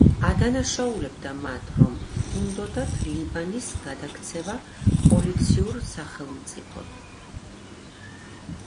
ადანაშაულებდა მათ, რომ უნდოდათ ლიბანის გადაქცევა „პოლიციურ სახელმწიფოდ“.